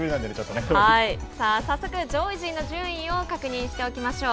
さあ、早速、上位陣の順位を確認しておきましょう。